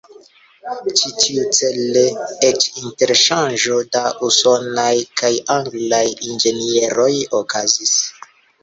Tiucele eĉ interŝanĝo da usonaj kaj anglaj inĝenieroj okazis.